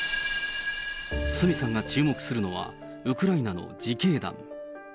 角さんが注目するのは、ウクライナの自警団。